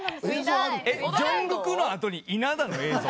ジョングクの後に稲田の映像？